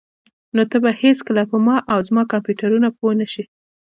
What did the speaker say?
نو ته به هیڅکله په ما او زما کمپیوټرونو پوه نشې